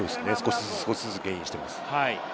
少しずつゲインしています。